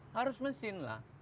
harus mesin lah